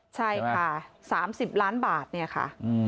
ใช่ค่ะ๓๐ล้านบาทเนี่ยค่ะ